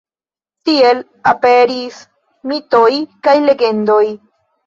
Tiel aperis mitoj kaj legendoj.